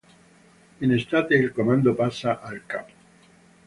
In estate il comando passa al Cap.